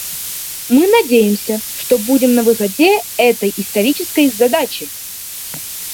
Мы надеемся, что будем на высоте этой исторической задачи.